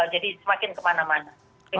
jadi semakin kemana mana